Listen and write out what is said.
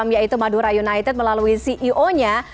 yaitu madura united melalui ceo nya